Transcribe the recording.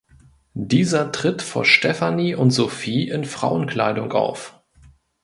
Dieser tritt vor Stefanie und Sophie in Frauenkleidung auf.